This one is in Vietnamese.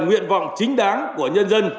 nguyện vọng chính đáng của nhân dân